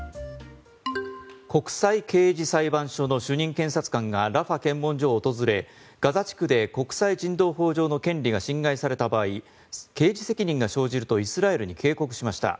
国際刑事裁判所の主任検察官がラファ検問所を訪れガザ地区で国際人道法上の権利が侵害された場合刑事責任が生じるとイスラエルに警告しました。